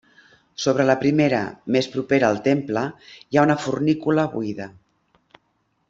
Sobre la primera, més propera al temple, hi ha una fornícula buida.